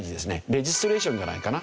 レジストレーションじゃないかな。